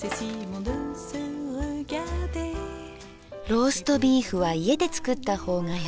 ローストビーフは家で作った方が安い。